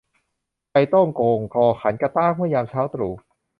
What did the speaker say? ไก่โต้งโก่งคอขันกะต๊าก เมื่อยามเช้าตรู่